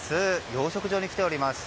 養殖場に来ております。